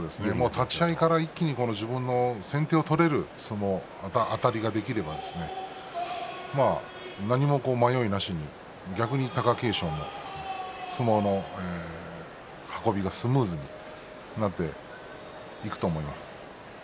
立ち合いから一気に先手を取れる相撲、あたりが取れれば何も迷いなしに逆に貴景勝も相撲の運びがスムーズになっていくと思います。